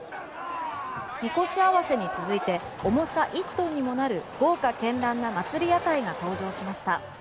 みこし合わせに続いて重さ１トンにもなる豪華絢爛な祭り屋台が登場しました。